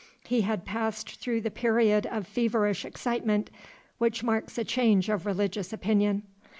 He had passed through the period of feverish excitement which marks a change of religious opinion.